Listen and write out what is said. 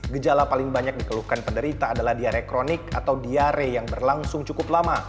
gejala paling banyak dikeluhkan penderita adalah diare kronik atau diare yang berlangsung cukup lama